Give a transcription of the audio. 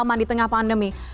tidak ada yang menganggap pandemi